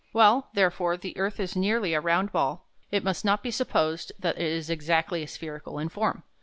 While, therefore, the earth is nearly a round ball, it must not be supposed that it is exactly spherical in form.